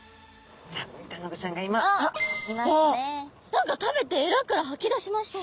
何か食べてエラから吐き出しましたよ。